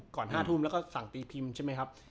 ๕ทุ่มแล้วก็สั่งตีพิมพ์ใช่ไหมครับ